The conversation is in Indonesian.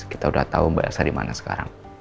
kita udah tau mbak elsa dimana sekarang